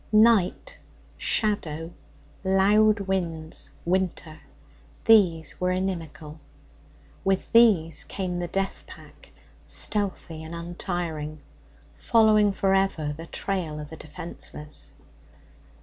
Night, shadow, loud winds, winter these were inimical; with these came the death pack, stealthy and untiring, following for ever the trail of the defenceless.